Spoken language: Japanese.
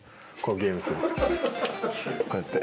こうやって。